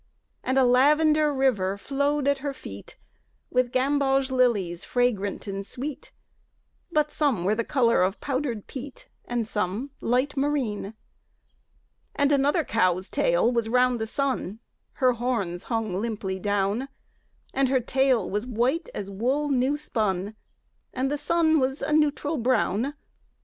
And a lavender river flowed at her feet With gamboge lilies fragrant and sweet, But some were the color of powdered peat, Some light marine. And another cow's tail was round the sun (Her horns hung limply down); And her tail was white as wool new spun, And the sun was a neutral brown.